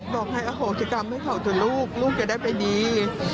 บอกให้อโหสิกรรมให้เขาเถอะลูกลูกจะได้ไปดี